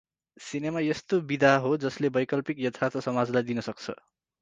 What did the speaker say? Cinema यस्तो विधा हो जसले वैकल्पिक यथार्थ समाजलाई दिन सक्छ ।